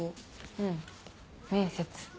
うん面接。